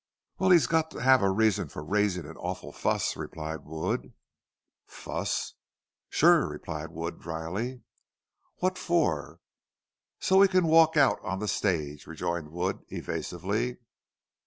"Wal, he's got to hev a reason for raisin' an orful fuss," replied Wood. "Fuss?" "Shore," replied Wood, dryly. "What for?" "Jest so he can walk out on the stage," rejoined Wood, evasively.